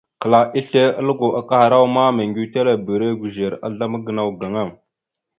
Kəla asle a lugo kahərawa ma, meŋgʉwetelebire gʉzer azzlam gənaw gaŋa.